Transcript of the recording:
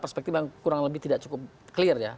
perspektif yang kurang lebih tidak cukup clear ya